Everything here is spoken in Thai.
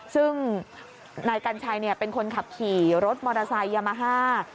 ซึ่งนายกัญชัยเป็นคนขับขี่รถมอเตอร์ไซค์ยามาฮ่า